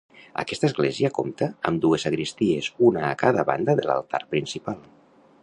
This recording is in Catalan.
Aquesta església compta amb dues sagristies, una a cada banda de l'altar principal.